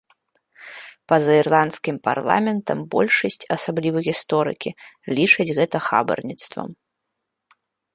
Па-за ірландскім парламентам большасць, асабліва гісторыкі, лічыць гэта хабарніцтвам.